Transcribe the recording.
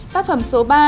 tác phẩm số ba